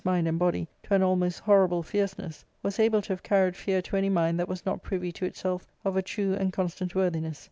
mind and body to an almost horrible (fierceness, was able to have carried fear to any mind that was not privy to itself of a true and constant worthiness.